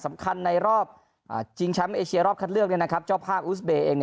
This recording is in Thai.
สำคัญในรอบจริงชั้นเอเชียรอบคัดเลือกเลยนะครับเจ้าภาคอุทส์เปรย์เอง